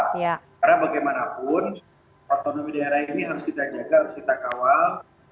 karena bagaimanapun otonomi daerah ini harus kita jaga harus kita kawal